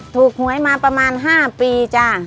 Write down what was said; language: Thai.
ถูกหวยมาประมาณ๕ปีจ้ะ